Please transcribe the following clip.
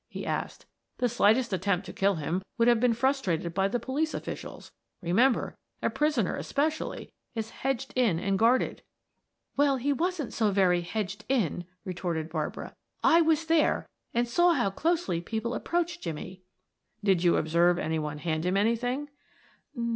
he asked. "The slightest attempt to kill him would have been frustrated by the police officials; remember, a prisoner especially, is hedged in and guarded." "Well, he wasn't so very hedged in," retorted Barbara. "I was there and saw how closely people approached Jimmie." "Did you observe any one hand him anything?"